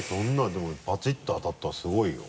でもバチッと当たったらすごいよ。